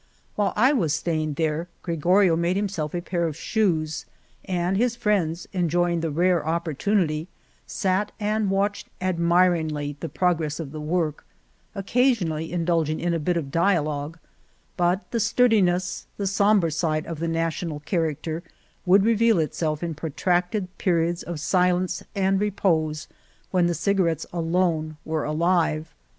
While I was staying there Gregorio made himself a pair of shoes and his friends, enjoying the rare opportunity, sat and watched admiringly the 34 Argamasilla progress of the work, occasionally indulging in a bit of dialogue, but the sturdiness, the sombre side of the national character would reveal itself in protracted periods of silence and repose when the cigarettes alone were alive.